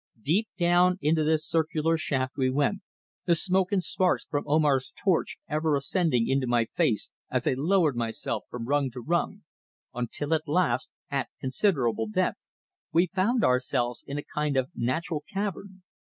Deep down into this circular shaft we went, the smoke and sparks from Omar's torch ever ascending into my face as I lowered myself from rung to rung, until at last, at considerable depth, we found ourselves in a kind of natural cavern.